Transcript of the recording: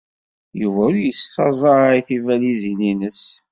Yuba ur yessaẓay tibalizin-nnes.